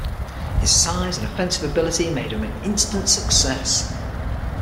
His size and offensive ability made him an instant success.